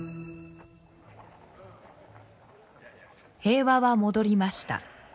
平和は戻りました。